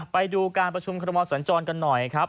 ไปดูการประชุมคอรมอสัญจรกันหน่อยครับ